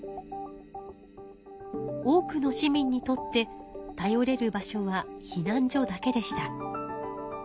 多くの市民にとって頼れる場所は避難所だけでした。